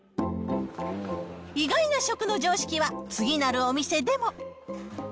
意外な食の常識は、次なるお店でも。